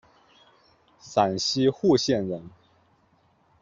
陕西户县人。